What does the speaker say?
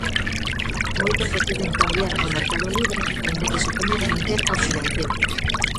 Moitos deciden cambiar ao mercado libre aínda que supoña renunciar á subvención.